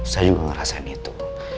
saya juga ngerasain itu